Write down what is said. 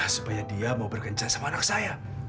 supaya dia mau berkencan dengan anak saya